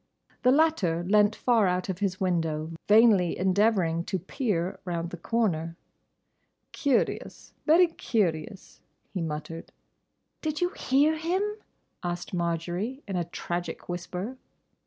The latter leant far out of his window vainly endeavouring to peer round the corner. "Curious, very curious," he muttered. "Did you hear him?" asked Marjory, in a tragic whisper.